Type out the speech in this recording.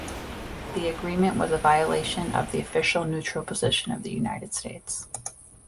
The agreement was a violation of the official neutral position of the United States.